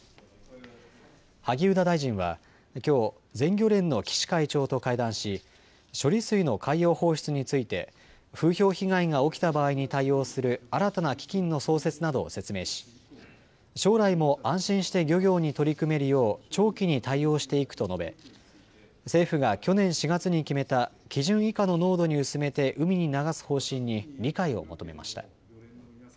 萩生田大臣はきょう全漁連の岸会長と会談し処理水の海洋放出について風評被害が起きた場合に対応する新たな基金の創設などを説明し将来も安心して漁業に取り組めるよう長期に対応していくと述べ政府が去年４月に決めた基準以下の濃度に薄めて海に流す方針に理解を求めました。